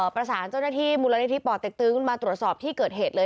ประสานเจ้าหน้าที่มูลนิธิป่อเต็กตึงมาตรวจสอบที่เกิดเหตุเลย